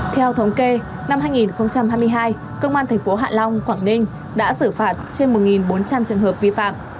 theo thống kê năm hai nghìn hai mươi hai công an thành phố hạ long quảng ninh đã xử phạt trên một bốn trăm linh trường hợp vi phạm